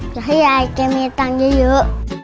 และยายคงมีเงินที่มีเยอะ